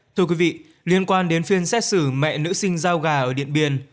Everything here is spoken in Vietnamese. thưa quý vị liên quan đến phiên xét xử mẹ nữ sinh giao gà ở điện biên